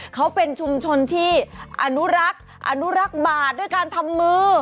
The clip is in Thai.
เขาเป็นชุมชนที่อนุรักษ์อนุรักษ์บาทด้วยการทำมือ